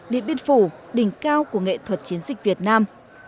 điện biên phủ đỉnh cao của nghệ thuật chiến dịch việt nam